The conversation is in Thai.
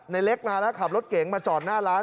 ในเล็กมาแล้วขับรถเก๋งมาจอดหน้าร้าน